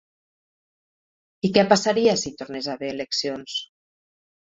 I què passaria si hi tornés a haver eleccions?